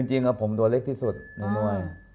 จริงก่อนผมตัวเล็กที่สุดหน้าหน้วย